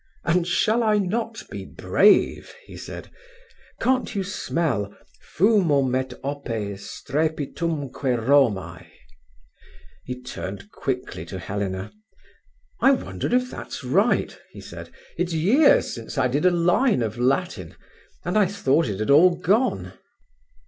"And shall I not be brave?" he said. "Can't you smell Fumum et opes strepitumque Romae?" He turned quickly to Helena. "I wonder if that's right," he said. "It's years since I did a line of Latin, and I thought it had all gone."